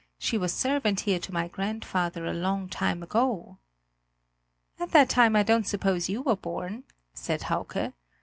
She was servant here to my grandfather a long time ago." "At that time I don't suppose you were born?" said Hauke.